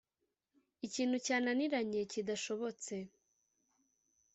Ikintu cyana niranye, kidashobotse.